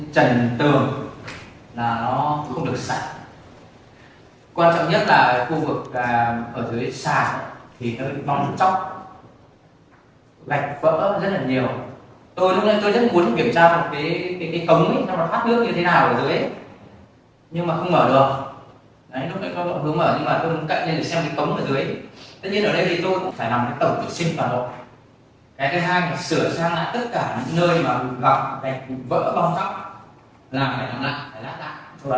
cụ thể các khu vực bếp ăn khu vực bếp ăn khu vực bếp ăn khu vực bếp ăn khu vực bếp ăn khu vực bếp ăn khu vực bếp ăn khu vực bếp ăn khu vực bếp ăn khu vực bếp ăn khu vực bếp ăn khu vực bếp ăn khu vực bếp ăn khu vực bếp ăn khu vực bếp ăn khu vực bếp ăn khu vực bếp ăn khu vực bếp ăn khu vực bếp ăn khu vực bếp ăn khu vực bếp ăn khu vực bếp ăn khu vực bếp ăn khu vực bếp ăn